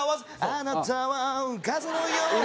「あなたは風のように」